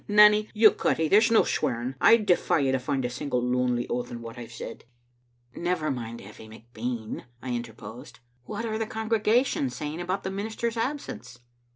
Nanny, yon cuttie, that's no swearing; I defy yon to find a single lonely oath in what I've said." "Never mind Effie McBean," I interposed. "What are the congregation saying about the minister's absence?"